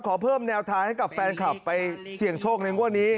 ขอเพิ่มแนวทางให้กับแฟนคลับไปเสี่ยงโชคในงวดนี้